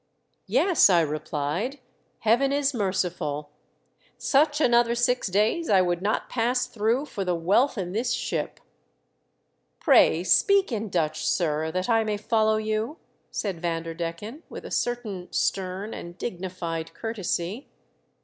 "Yes," I replied, "Heaven is merciful. Such another six days I would not pass through for the wealth in this ship." " Pray speak in Dutch, sir, that I may follow you," said Vanderdecken, with a certain stern and dignified courtesy.